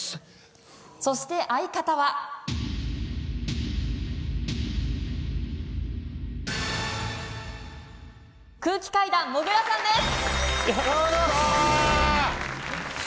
そして相方は空気階段もぐらさんです